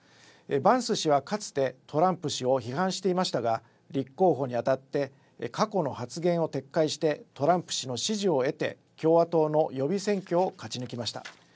バンス氏はかつてトランプ氏を批判していましたが立候補にあたって過去の発言を撤回してトランプ氏の支持を得て共和党の予備選挙を勝ち抜きました。